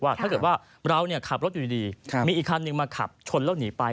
ถ้าเกิดว่าเราขับรถอยู่ดีมีอีกคันหนึ่งมาขับชนแล้วหนีไป